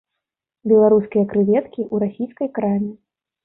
Беларускія крэветкі ў расійскай краме.